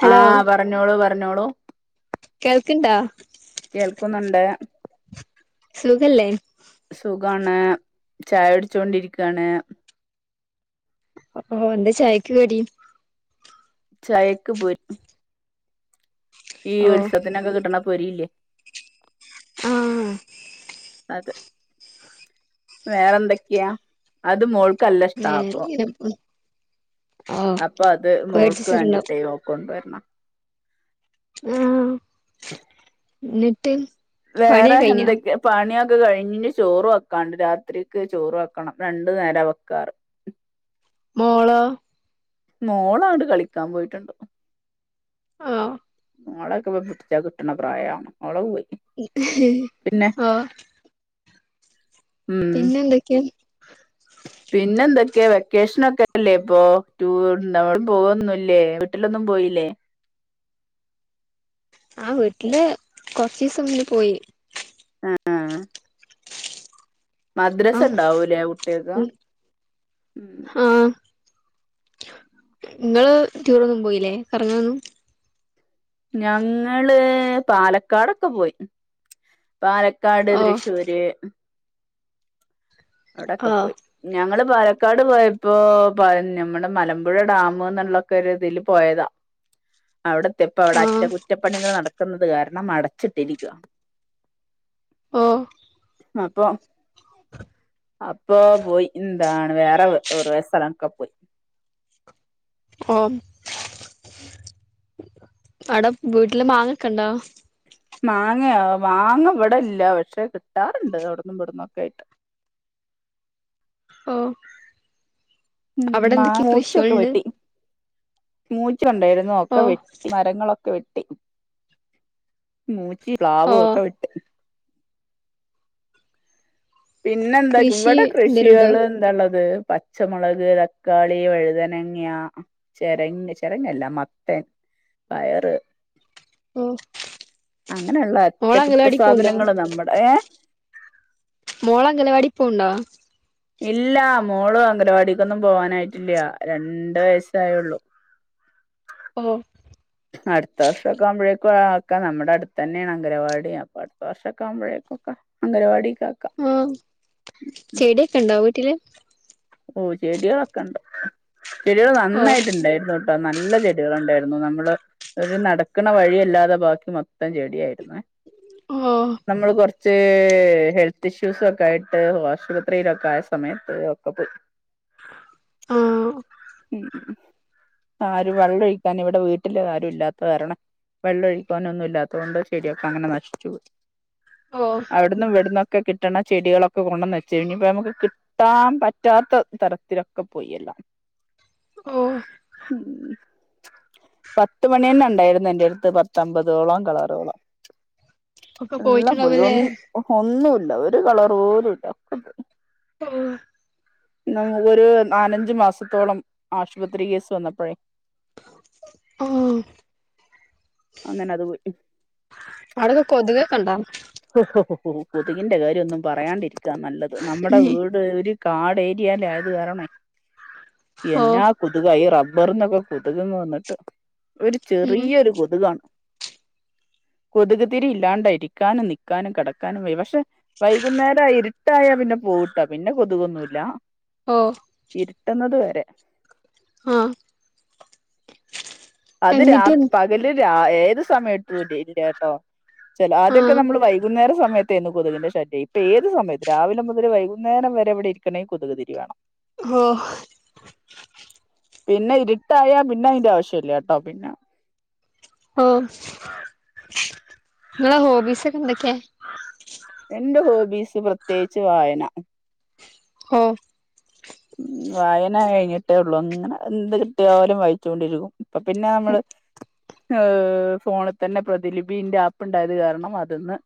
Hello ആഹ് പറന്നോളൂ പറന്നോളൂ കേൾക്ക്ണ്ടാ കേൾക്കുന്നുണ്ട് സുഖല്ലേ സുഖാണ് ചായകുടിച്ചോണ്ടിരിക്കാണ്. ഓഹ് എന്താ ചായക്ക് കടീ? ചായക്ക് ബോ ഈ ഓ ഉത്സവത്തിനൊക്കെ കിട്ടണപോരിയില്ലേ ആഹ് അത് വേറെന്തൊക്കെയാ അത് മോൾക്ക് നല്ലഷ്ടാ വേറെ അപ്പോ ഇങ്ങനെ പോണ് ഓ അപ്പൊ അത് മോൾക്ക് വേടിച്ചിട്ടുണ്ടാവും വേണ്ടിയിട്ടെ കൊണ്ടുവരണ. ആഹ് എന്നിട്ട്. വേറെ പണിയൊക്കെ കഴിഞ്ഞോ എന്തൊക്കെയാ. പണിയൊക്കെ കഴിഞ്ഞി ചോറ് വെക്കാണ്ട് രാത്രിക്ക് ചോറ് വെക്കണം രണ്ടു നേരം വെക്കാറ്. മോളോ. മോള അങ്ങട്ട് കളിക്കാൻ പോയിട്ടുണ്ട്. ആഹ് മോളെകെ പിടിച്ച കിട്ടണ പ്രായ ഓളെ പോയി. പിന്നെ ആഹ് ഉം പിന്നെന്തൊക്കെയാ. പിന്നെ എന്തൊക്കെയാ വെക്കേഷനൊക്കെല്ലേ ഇപ്പോ ടൂർ നമ്മ പോവൊന്നല്ലേ വീട്ടിലൊന്നും പോയില്ലേ? ആഹ് വീട്ടില് കൊറിച്ച ദിവസ മുന്നേ പോയി. ആഹ് ആഹ് ആ മദ്രസണ്ടാവൂലേ കുട്ട്യാൾക്ക്. ആഹ് നിങ്ങള് ടൂറൊന്നു പോയില്ലേ കറങ്ങാനൊന്നും. ഞങ്ങള് പാലക്കാടൊക്കെ പോയി. പാലക്കാട്, ഓ തൃശ്ശൂര് ഓ അവിടെക്കെ പോയി. ഞങ്ങള് പാലക്കാട് പോയപ്പോ നമ്മുടെ മലമ്പുഴ ഡാം എന്നുള്ളൊക്കെ ഇതിൽ പോയതാ. അവിടത്തിയപ്പോ അവിടെ ആഹ് അറ്റകുറ്റ പ്പണികൾ നടക്കുന്നത് കാരണം അടച്ചിട്ടിരിക്കുക. ഓഹ് അപ്പൊ അപ്പൊ പോയി. എന്താണ് വേറെ ഒരു കുറെ സ്ഥലൊക്കെ പോയി. ഓഹ് ആടെ വീട്ടില് മാങ്ങൊക്കെ ഉണ്ടോ? മാങ്ങയോ മാങ്ങ ഇവിടെ ഇല്ല പക്ഷെ കിട്ടാറുണ്ട് അവിടന്നും ഇവിടന്നും ഒക്കെ ആയിട്ട്. ഓഹ് ഉം മാ ഉച്ചക്കൊ വെട്ടി. മൂച്ചിണ്ടായിരുന്നു ഓ ഒക്കെ വെട്ടി മരങ്ങളൊക്കെ വെട്ടി. മൂച്ചി, പ്ലാവ് ഓ ഒക്കെ വൊട്ടി. പിന്നെന്താ കൃഷി ഇവിടെ എന്തേലും ഉണ്ടോ കൃഷികള് എന്താള്ളത് പ പച്ചമുളക്, തക്കാളി, വഴുതനങ്ങ, ചെരങ്ങ, ചെരങ്ങല്ല മത്തൻ പയറ്, ഓ അങ്ങനെയുള്ള മോള് അറ്റകുറ്റ അംഗലവാടി പോവ്ണ്ടോ സാധനങ്ങള് നമ്മടെ ഏഹ് മോള അങ്കലാവാടിയി പ്പോണ്ടോ? ഇല്ല മോളു അംഗലവാടിക്കൊന്നും പോവാനായിട്ടില്ല രണ്ട് വയസ്സായുള്ളു. ഓഹ് അടുത്ത വർഷമൊക്കെ ആവുമ്പോഴേക്കാക്കെ നമ്മുടെ അടുത്തു തന്നെയാണ് അംഗരവാടി അപ്പൊ അടുത്ത വർഷമൊക്കെ ആവുമ്പോഴേക്കൊക്കെ. അങ്ങരവാടി കാക്ക. ആഹ് ചെടിക്കെ ഇണ്ടോ വീട്ടില്. ഓഹ് ചെടികളൊക്കെണ്ട് ചെടികൾ ഓ നന്നായിട്ടുണ്ടായിന്നു. നല്ല ചെടികൾ ഉണ്ടായിരുന്നു നമ്മള്. ഒരു നടക്കണ വഴി അല്ലാതെ ബാക്കി മൊത്തം ചെടിയായിരുന്നു. ആഹ് നമ്മൾ കുറച്ച്ഹെൽത്ത് ഇഷ്യൂസൊക്കെ ആയിട്ട് ആശുപത്രിയിലൊക്കെ ആയ സമയത്ത് അ പ്പൊ പോയി ആ ഉം ഉം ആരു വെള്ളഴിക്കാൻ ഇവിടെ വീട്ടില് ആരു ഇല്ലാത്ത കാരണം വെള്ളഴിക്കാന് ഒന്നും ഇല്ലാത്തതൊണ്ട് ചെടിയൊക്കെ അങ്ങനെ നശിച്ചു പോയി ഓഹ് അവടുന്നും ഇവടുന്നൊക്കെ കിട്ടണ ചെടികളൊക്കെ കൊണ്ടന്ന് വെച്ച് ഇനി ഇപ്പനമുക്ക് കിട്ടാൻ പറ്റ റ്റാത്ത തരത്തിലൊക്കെ പോയി എല്ലാം ഓഹ് ഉം പത്ത് മണിന്നെണ്ടായിര്ന്നു എന്റെട്ത്ത് പത്തമ്പതോളം കളറോളം ഒക്കെ എല്ലാം പോയി ഒ പോയിട്ടുണ്ടാവുല്ലേ ഒന്നുവില്ല ഒരു കളറ് പോലു ഇല്ല [inaudible] [unintelligible] നങ്ങക്കൊരു നാലഞ്ച് മാസത്തോളം ആശുപത്രി കേസ് വന്നപ്പഴേ ആഹ് അങ്ങനത് പോയി അവിടൊക്കെ കൊതുകൊക്കെ ഇണ്ടോ കൊതുകിന്റെ കാര്യം ഒന്നും പറയാണ്ടിരിക്കാ നല്ലത് നമ്മടെ വീ ട് ഒരു കാട് ഏരിയല് ആയത് കാരണവേ ഓ എന്നാ കൊതുകാ ഈ റബ്ബറിന്നൊക്കെ കൊതുക്ന്ന് വന്നിട്ട് ഒരു ഉം ചെറിയൊരു കൊതു തുകാണ് കൊതുക് തിരി ഇല്ലാണ്ട് ഇരിക്കാനും നിക്കാനും കെടക്കാനും വയ്യാ പഷേ വൈകുന്നേരായി ഇരുട്ടായാ പിന്നെ പോവുട്ടോ പിന്നെ കൊതുകൊന്നുവില്ല ഓഹ് ഇര്ട്ട്ന്നതുവരെ ആഹ് അത് രാത് പകല് രാ ഏതു സമയ [unintelligible] ഇല്ലട്ടോ ചെല ആ ആദ്യക്കെ നമ്മള് വൈകുന്നേര സമയ ത്തെന്ന് കൊതുകിന്റെ ശല്യേ ഇപ്പ ഏത് സമയത്തും രാവിലെ മുതല് വൈകുന്നേരം വരെ ഇവടെ ഇരിക്കണേ കൊത്ക് തിരി വേണം. ഓഹ് പിന്നെ ഇര്ട്ടായാ പിന്നെ അയിന്റെ ആവശ്യല്ല്യട്ടോ പിന്നാ ഓഹ് ഇങ്ങളെ ഹോബീസെക്കെ എന്തക്കെയാ എന്റെ ഹോബീസ് പ്രത്യേകിച്ച് വായന ഓഹ് ഉം വായന കഴിഞ്ഞിട്ടേ ഒള്ളൂ ഇങ്ങനെ എന്ത് കിട്ടിയാലു വായിച്ചൊണ്ടിരിക്കും അപ്പപ്പിന്നെ നമ്മള് ഏഹ് ഫോണിത്തന്നെ പ്രതിലിപിന്റെ ആപ്പ്ണ്ടായത് കാരണം അത് ന്ന്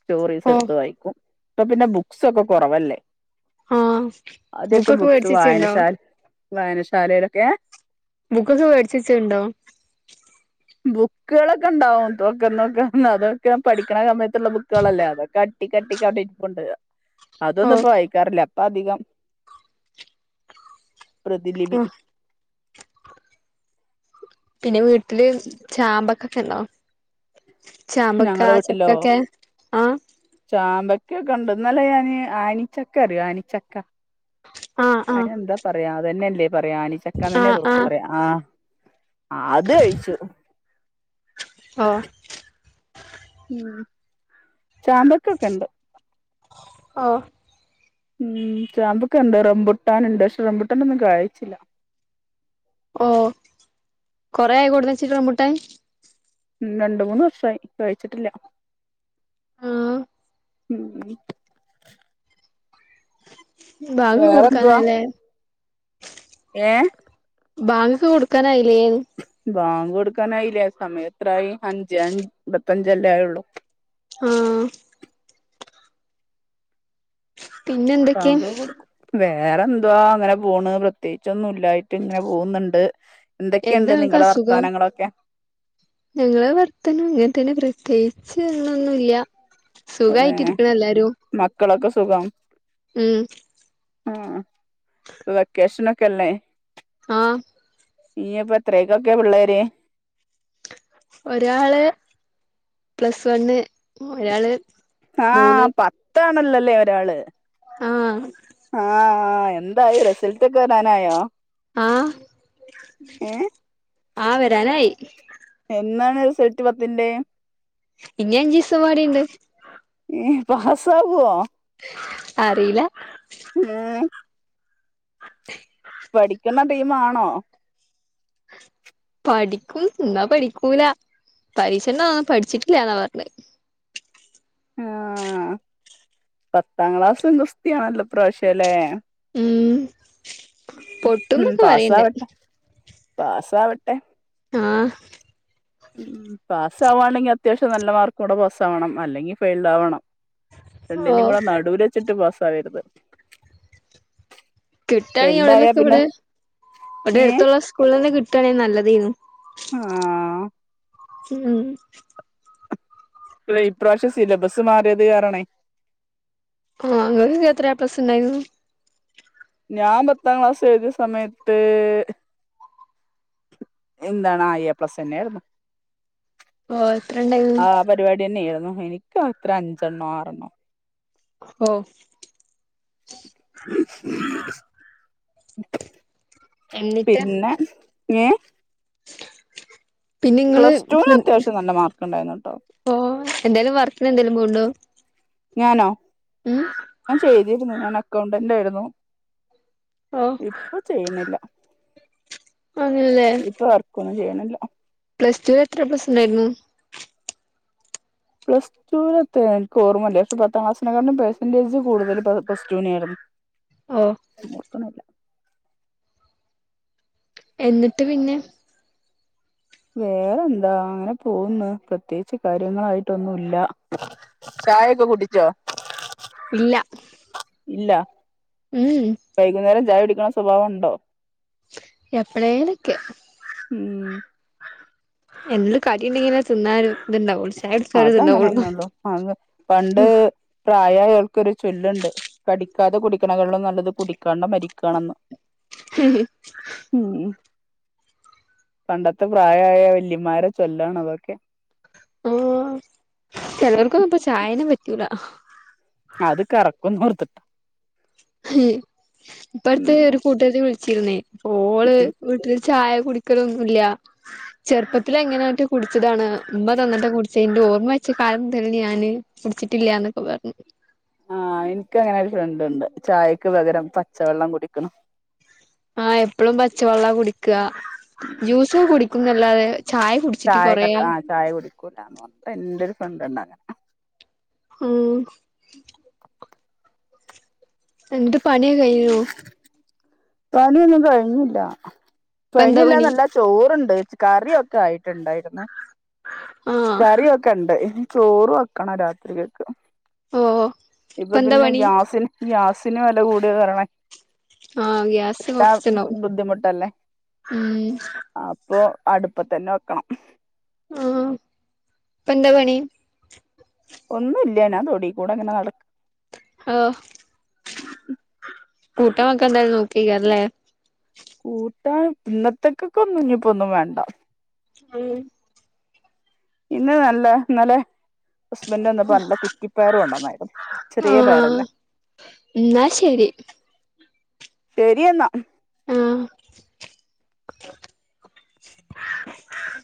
സ്റ്റോറീസ് ഓ എടുത്ത് വായിക്കും ഇപ്പോ പിന്നെ ബുക്ക്സൊക്കെ കൊറവല്ലേ ആഹ് ബുക്കൊക്കെ വേടിച്ച് [unintelligible] ണ്ടോ വായനശാലെലൊക്കെ ബുക്കക്കെ വേടിച്ച് [unintelligible] ണ്ടോ ബുക്കുകളൊക്കെ ഇണ്ടാവും [unintelligible] അതൊക്കെ പഠിക്കണ സമയത്തോള്ള ബുക്കുകളല്ലേ അതൊക്കെ അ ട്ടിക്ക് അട്ടിക്ക് അവടെ ഇര്പ്പ്ണ്ട് ഓ അതൊന്നും ഇപ്പ വായിക്കാറില്ല അപ്പ അധികം പ്രതിലിപി ആ പിന്നെ വീട്ടില് ചാമ്പക്കെക്കെണ്ടോ? ചാമ്പക്ക, ഞങ്ങളടെ ചക്കക്കെ ആഹ് ചാമ്പക്കൊക്ക ഒണ്ട് ഇന്നലെ ഞാന് ആനിച്ചക്ക അറിയോ ആനിച്ചക്ക ആഹ് ആഹ് അയിനെന്താ പറയാ അതന്നെല്ലേ പറയാ ആനിചക്കാന്നന്നെ തോന്നു പറയാ ആഹ് ആത് കഴിച്ചു ആഹ് ഉം ചാമ്പക്കക്കെ ഇണ്ട് ഓഹ് ഉം ചാമ്പക്ക ഒണ്ട് റംബുട്ടനോണ്ട് പഷേ റംബുട്ടാനോന്നും കായിച്ചില്ല ഓഹ് കൊറേ ആയോ കൊടുന്ന്ച്ചിട്ട് റംബുട്ടാൻ ഉം രണ്ട് മൂന്ന് വർഷായി കായ്ച്ചിട്ടില്ല ആഹ് ഉം ഉം ബാങ്ക് വേറെന്തുവാ കൊടുക്കാനായല്ലേ ഏ ബാങ്കൊക്കെ കൊടുക്കാനായില്ലേന്ന് ബാങ്ക് കൊടുക്കാനായില്ലേ സമയം എത്രായി അഞ്ചേ അൻപത്തഞ്ചല്ലേ ആയൊള്ളു ആ പിന്നെ എന്തൊക്കെ ബാങ്ക് കൊട്ക്കും വേറെന്തുവാ അങ്ങനെപോണ് പ്രത്യേകിച്ചൊന്നുല്ലായിട്ട് ഇങ്ങനെ പോന്ന്ണ്ട് എന്താ എന്തൊക്കെണ്ട് ഇങ്ങക്ക് നിങ്ങളെ അസുഖം വർത്താനങ്ങളൊക്കെ ഞങ്ങളെ വർത്താനം ഇങ്ങൻത്തെന്നെ പ്രത്യേ ച്ച്ന്നൊന്നുല്ല സുഖായ്ട്ടിരിക്ക്‌ണ് എല്ലാരും ക്കളൊക്കെസുഖം ഉം ആ ആ പ്പൊ വെക്കേഷനൊക്കല്ലേ ആ ഇനിയപ്പോ എത്രേക്കൊക്കെ പിള്ളേര് ഒരാള് പ്ലസ് വണ്ണ് ഒരാള് ആ മൂന്ന് പത്താണല്ലേ ഒരാള് ആഹ് ആ ആ എന്തായി റിസൾട്ടൊക്കെ വെരാനായോ ആ ആ വെരാനായി എന്നാണ് റിസൾട്ട് പത്തിന്റെ ഇഞ്ഞി അഞ്ചിസംപാടിണ്ട് ഏ പാസ്സാവോ അറീല ഏ പഠിക്കണ ടീമാണോ പഠിക്കും ന്ന പഠിക്കൂല പരീക്ഷന്റന്നൊന്നും പഠിച്ചിട്ടില്ല ന്നാ പറഞ്ഞത് ആ പത്താംക്ലാസും ഗുസ്തിയാണല്ലോ ഇപ്രാശ്യം ലേ ഉം പൊട്ടുംന്നൊക്കെപറയ്ണ്ട് പാസാവെട്ടെ ആ ഉം പാസാവാണെങ്കി അത്യാവശ്യം നല്ല മാർക്കോടെ പാസ്സാവണം അല്ലെങ്കിൽ ഫെയിൽഡാവണം. ഓ രണ്ട്ന്റേം കൂടെ നടുല് വെച്ച്ട്ട് പാസ്സാവരുത് കിട്ടാണെങ്കി ഫെയിൽഡ് ആയാ പിന്നെ എവിടെലൊക്കെവടെ ഏ ഇവടെട്ത്ത്ള്ള സ്കൂളിലെന്നെ കിട്ടാണെങ്കി നല്ലതേന്നു ആ ഉം [unintelligible] ഇപ്രാശ്യം സിലബസ്മാറിയത് കാരണേ ആ ഇങ്ങക്കൊക്കെത്ര എ പ്ലസ്സ് ണ്ടായിന്നു ഞാൻ പത്താംക്ലാസ് എഴുതിയ സമയത്ത് എന്താണ എപ്ലസെന്നെര്ന്നു ഓ എത്രണ്ടായിന്നു പരിപാടിന്നെരുന്നു എനിക്കെത്ര അഞ്ചെണ്ണോ ആറെണ്ണോ ഓ എന്നിട്ട് പിന്നെ ഏ പിന്നെ ഇങ്ങള് പ്ലസ് ടുനത്യാവശ്യം നല്ല മാർക്ക്ണ്ടായിന്നുട്ടോ ഓ എന്തേലും വർക്കിനെന്തേലും പോവ്ണ്ടോ ഞാനോ ഉം ഞാൻചെയ്തിരുന്നു ഞാൻ അക്കൗണ്ടന്റായിരുന്നു ഓ ഇപ്പൊചെയ്യ്ണില്ല അങ്ങനെല്ലേ ഇപ്പൊ വർക്കൊന്നും ചെയ്യ്ണില്ല പ്ലസ് ടുലെത്ര എ പ്ലസ്ണ്ടായിരുന്നു പ്ലസ് റ്റുലെത്രേഇൻക്ക് ഓർമ്മല്ല ശെപത്താം ക്ലാസിനെക്കാട്ടിലും പെർസെന്റെജ് കൂടുതല് പ്ലസ് ടുനേര്ന്നു ഓ [unintelligible] എന്നിട്ട്പിന്നെ വേറെന്താ അങ്ങനെ പോവ്ന്ന് പ്രത്യേകിച്ച് കാര്യങ്ങളായിട്ടൊന്നുല്ല ചായയൊക്കെ കുടിച്ചോ ഇല്ല ഇല്ല ഊ ഉം വൈകുന്നേരം ചായ കുടിക്കണ സ്വഭാവണ്ടോ എപ്പളേലൊക്കെ ഉം എന്ത് കടിണ്ടെങ്കിലും അത് തിന്നാര് അതങ്ങനെ തന്നെ ഉള്ളു അഹ് പണ്ട് പ്രായായവർക്കൊരു ചൊല്ലുണ്ട് കടിക്കാതെ കുടിക്കണാളും നല്ലത് കുടിക്കാതെ മരിക്കാണെന്ന് ഹം ഉം പണ്ടത്തെ പ്രായായ വല്ലിമ്മാരെ ചൊല്ലാണ് അതൊക്കെ ആഹ് ചെലോർക്കൊന്നും ഇപ്പൊ ചായന്നെ പറ്റൂല അത് കറക്കുന്ന് ഓർത്തിട്ട ഉം ഇപ്പടുത്തെ ഒരു കൂട്ടുകാരത്തി വിളിച്ചിരുന്നേ ഓള് ഉം വീട്ടില് ചായ കുടിക്കലൊന്നുല്ല ചെറുപ്പത്തില് എങ്ങനോറ്റ് കുടിച്ചതാണ് ഉമ്മ തന്നിട്ട കുടിച്ച ന്റെ ഓർമ്മ വെച്ച കാലം മുതല് ഞാന് കുടിച്ചിട്ടില്ലന്നൊക്കെ പറഞ്ഞു ആഹ് ഇൻക്ക് അങ്ങനെ ഒരു ഫ്രണ്ട് ഉണ്ട് ചായക്ക് പകരം പച്ചവെള്ളം കുടിക്കണ് ആഹ് എപ്പളും പച്ചവെള്ള കുടിക്ക ജ്യൂസൊക്കെ കുടിക്കുന്നല്ലാതെ ചായ കുട് ചായ കട്ട ആ ചായ കുടിക്കൂലന്ന് പറഞ്ഞിട്ട് എന്റെരു ഫ്രണ്ട് ഉണ്ടങ്ങനെ ഊം എന്നിട്ട് പണിയൊക്കെ കഴിഞ്ഞോ പണിയൊന്നും കഴിഞ്ഞില്ല ഇപ്പ എന്താ പണി കഴിഞ്ഞില്ലാന്നല്ല ചോറ്ണ്ട് കറിയൊക്കെ ആയിട്ടുണ്ടായിരുന്ന് ആഹ് കറിയൊക്കെണ്ട്‌ ചോറ് വെക്കണം രാത്രിക്കക്ക് ഓഹ് ഇപ്പ പിന്നെ ഗ്യാസിന് ഗ്യാസിന് വെല കൂടിയ കാരണേ ആഹ് ഗ്യാസ് കൊറച്ച്ണ്ടാവും ബുദ്ധിമുട്ടല്ലേ ഉം അപ്പൊ അടുപ്പത്തന്നെ വെക്കണം ആഹ് ഇപ്പന്താ പണി ഒന്നുല്ല ഞാൻ തൊടി കൂടെ ഇങ്ങനെ നട ഓഹ് കൂട്ടാൻ വെക്കാൻ എന്തായാലും നോക്കയ്ക്കാരല്ലേ കൂട്ടാൻ ഇന്നത്തേക്കൊക്കെ ഒന്നും ഇഞ്ഞിപ്പോന്നും വേണ്ട ആഹ് ഇന്ന് നല്ല ഇന്നലെ ഹസ്ബന്റ് വന്നപ്പോ നല്ല കുറ്റിപയറ് കൊണ്ടന്നായിരുന്നു ചെറിയ പയറില്ലേ ഇന്നാ ശരി ശരി എന്നാ ആഹ് [inaudible]